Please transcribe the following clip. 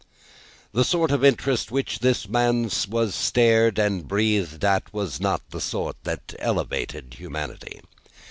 The sort of interest with which this man was stared and breathed at, was not a sort that elevated humanity.